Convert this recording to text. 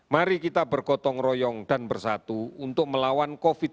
mari kita bergotong royong dan bersatu untuk melawan covid sembilan belas